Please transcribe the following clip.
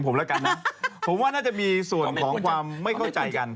พอว่าน่าจะมีส่วนความไม่เข้าใจกัน